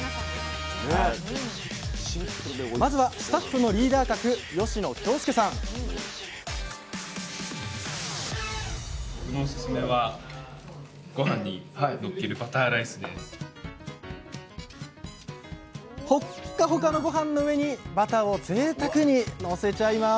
まずはスタッフのリーダー格ほっかほかのごはんの上にバターをぜいたくにのせちゃいます